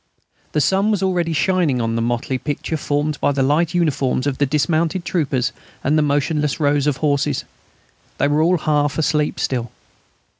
The sun was already shining on the motley picture formed by the light uniforms of the dismounted troopers and the motionless rows of horses. They were all half asleep still.